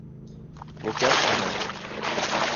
وہ کیا سین ہے۔